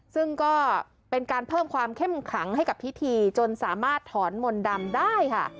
ซึ่งก็เป็นการเพิ่มความเข้มขังให้กับพิธีจนสามารถถอนมนต์ดำได้ค่ะ